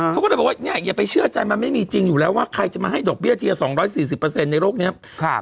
เขาก็จะบอกว่าเนี้ยอย่าไปเชื่อใจมันไม่มีจริงอยู่แล้วว่าใครจะมาให้ดอกเบี้ยเทียสองร้อยสี่สิบเปอร์เซ็นต์ในโลกเนี้ยครับ